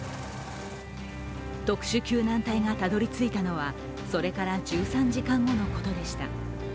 特殊救難隊がたどり着いたのはそれから１３時間後のことでした。